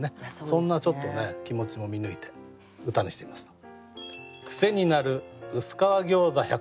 そんな気持ちも見抜いて歌にしてみました。